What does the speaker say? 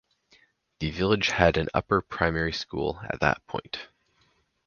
The village had an upper primary school at that point.